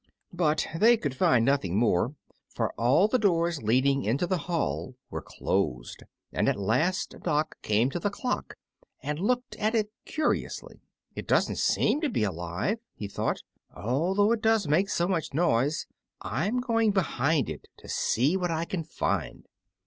But they could find nothing more, for all the doors leading into the hall were closed, and at last Dock came to the clock and looked at it curiously. "It doesn't seem to be alive," he thought, "although it does make so much noise. I'm going behind it to see what I can find."